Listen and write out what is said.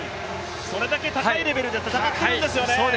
それだけ高いレベルで戦っているんですよね。